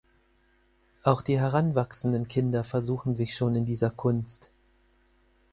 Auch die heranwachsenden Kinder versuchen sich schon in dieser Kunst.